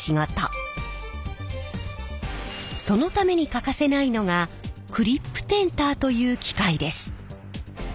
そのために欠かせないのがクリップテンターという機械です。